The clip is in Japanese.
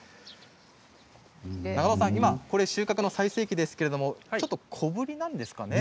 永戸さん、今、収穫の最盛期ですけれどもちょっと小ぶりなんですかね。